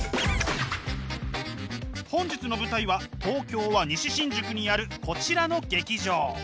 本日の舞台は東京は西新宿にあるこちらの劇場。